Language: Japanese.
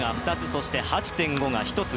そして８．５が１つ。